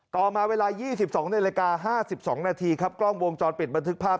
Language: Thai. ต่อมาเวลา๒๒นาฬิกา๕๒นาทีครับกล้องวงจรปิดบันทึกภาพ